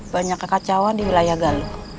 banyak kekecauan di wilayah galau